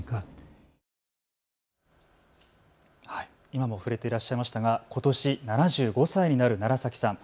今も触れていらっしゃいましたがことし７５歳になる楢崎さん。